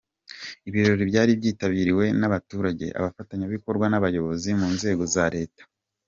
Ibirori byari byitabiriwe n’abaturage, abafatanyabikorwa n’abayobozi mu nzego za leta.